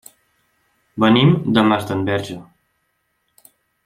Venim de Masdenverge.